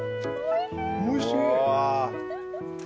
おいしい。